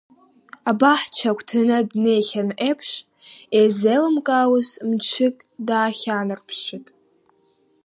Абаҳча агәҭаны днеихьан еиԥш, изеилымкаауаз мчык даахьанарԥшит.